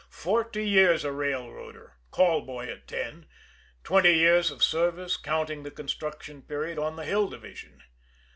Forty years a railroader call boy at ten twenty years of service, counting the construction period, on the Hill Division!